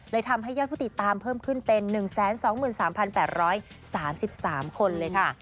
ทำให้ยอดผู้ติดตามเพิ่มขึ้นเป็น๑๒๓๘๓๓คนเลยค่ะ